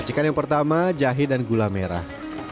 racikan yang pertama jahe dan gula merah